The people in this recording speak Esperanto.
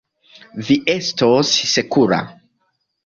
Vi estos sekura.